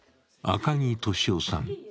赤木俊夫さん。